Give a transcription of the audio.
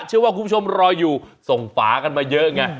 เชื่อว่าคุณผู้ชมรออยู่ส่งฝากันมาเยอะไง